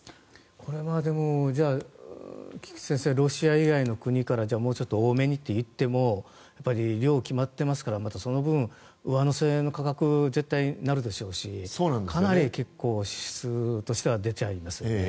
これはじゃあ菊地先生ロシア以外の国からもうちょっと多めにといっても量は決まってますからその分、上乗せの価格に絶対になるでしょうしかなり結構、支出としては出ちゃいますよね。